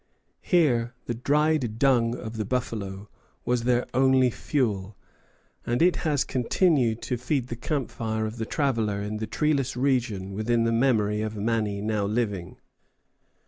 Here the dried dung of the buffalo was their only fuel; and it has continued to feed the camp fire of the traveller in this treeless region within the memory of many now living.